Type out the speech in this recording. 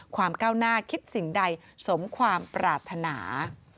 ก้าวหน้าคิดสิ่งใดสมความปรารถนา